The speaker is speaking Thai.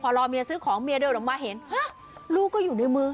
พอรอเมียซื้อของเมียเดินออกมาเห็นฮะลูกก็อยู่ในมือ